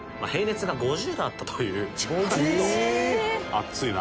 熱いな。